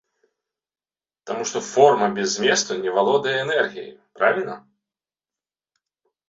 Таму што форма без зместу не валодае энергіяй, правільна?